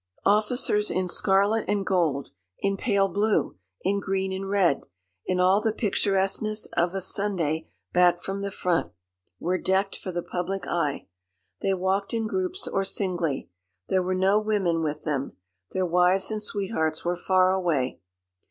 Officers in scarlet and gold, in pale blue, in green and red, in all the picturesqueness of a Sunday back from the front, were decked for the public eye. They walked in groups or singly. There were no women with them. Their wives and sweethearts were far away.